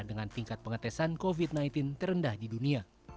dengan tingkat pengetesan covid sembilan belas terendah di dunia